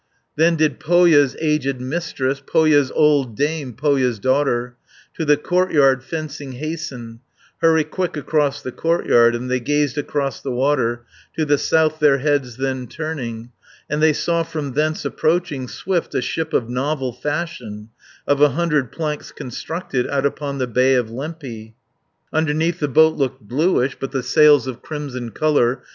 Then did Pohja's aged Mistress, Pohja's old dame, Pohja's daughter, To the courtyard fencing hasten, Hurry quick across the courtyard, And they gazed across the water, To the south their heads then turning, 590 And they saw from thence approaching, Swift a ship of novel fashion, Of a hundred planks constructed, Out upon the Bay of Lempi. Underneath the boat looked bluish, But the sails of crimson colour.